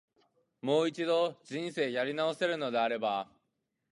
もう一度、人生やり直せるのであれば、